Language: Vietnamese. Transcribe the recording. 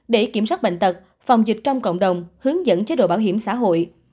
để kiểm soát bệnh tật phòng dịch trong cộng đồng hướng dẫn chế độ bảo hiểm xã hội